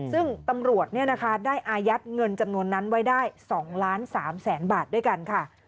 ซึ่งตำรวจได้อายัดเงินจำนวนนั้นไว้ได้๒ล้าน๓แสนบาทด้วยกันค่ะ